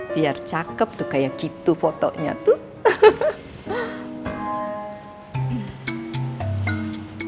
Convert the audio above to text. biar cakep tuh kayak gitu fotonya tuh